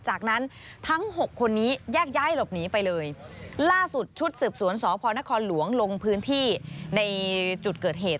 จากนั้นทั้งหกคนนี้แยกย้ายหลบหนีไปเลยล่าสุดชุดสืบสวนสพนครหลวงลงพื้นที่ในจุดเกิดเหตุ